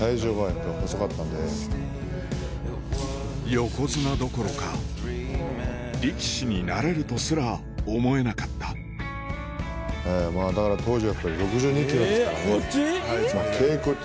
横綱どころか力士になれるとすら思えなかったまぁだから当時は６２ｋｇですからね。